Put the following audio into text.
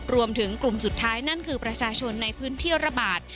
รวมถึงกลุ่มสุดท้ายนั่นคือประชาชนในพื้นที่ระบาด